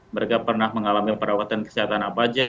mereka pernah mengalami perawatan kesehatan apa aja